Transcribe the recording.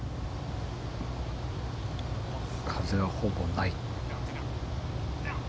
風はほぼない。